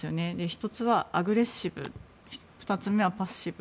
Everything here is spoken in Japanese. １つはアグレッシブ２つ目はパッシブ